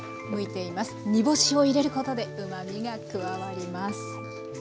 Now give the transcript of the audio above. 煮干しを入れることでうまみが加わります。